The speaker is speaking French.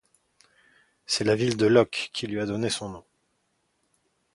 C’est la ville de Loches qui lui a donné son nom.